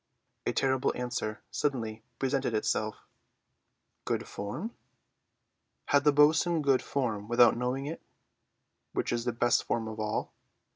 A terrible answer suddenly presented itself—"Good form?" Had the bo'sun good form without knowing it, which is the best form of all?